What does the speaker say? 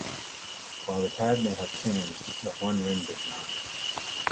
While the pad may have changed, the horn ring did not.